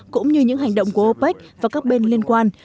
cũng như những hành động của opec và các bên liên quan